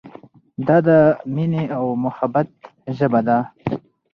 دا د مینې او محبت ژبه ده.